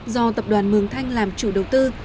do tập đoàn mường thanh làm chủ đầu tư